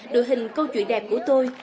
đội hình câu chuyện đẹp của tôi